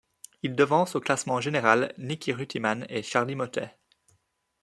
Il devance au classement général Niki Ruttimann et Charly Mottet.